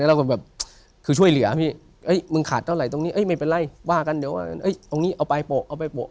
เราก็แบบคือช่วยเหลือพี่มึงขาดเท่าไหตรงนี้ไม่เป็นไรว่ากันเดี๋ยวว่าตรงนี้เอาไปโปะเอาไปโปะ